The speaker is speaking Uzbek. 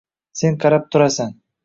Sen qarab turasan.